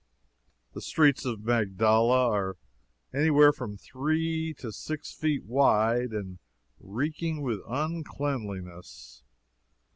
The streets of Magdala are any where from three to six feet wide, and reeking with uncleanliness.